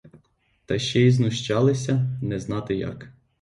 Та ще й знущалися, не знати як.